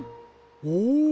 お！